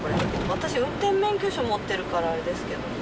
私運転免許証持ってるからあれですけどね